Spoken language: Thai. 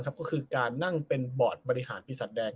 ก็คือการนั่งเป็นบอร์ดบริหารปีศาจแดง